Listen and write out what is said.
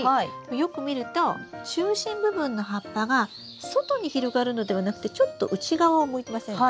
よく見ると中心部分の葉っぱが外に広がるのではなくてちょっと内側を向いてませんか？